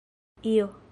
io